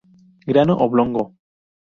Grano oblongo.